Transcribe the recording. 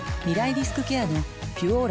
リスクケアの「ピュオーラ」